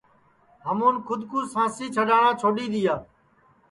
ہمون کھود کُو سانسی سڈؔاٹؔا چھوڈؔ دؔیا